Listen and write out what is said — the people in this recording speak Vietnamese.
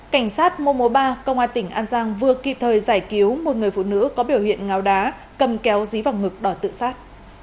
cảnh sát mùa mùa ba công an tỉnh an giang vừa kịp thời giải cứu một người phụ nữ có biểu hiện ngáo đá cầm kéo dí vào ngực đỏ tự sát